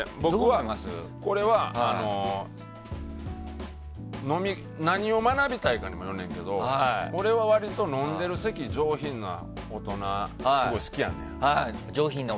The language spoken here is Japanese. これは何を学びたいかによるねんけど俺は割と飲んでる席上品な大人がすごい好きやねん。